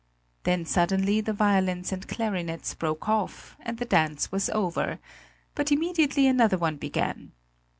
Then suddenly the violins and clarinets broke off, and the dance was over; but immediately another one began.